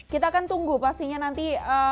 kita akan tunggu pastinya nanti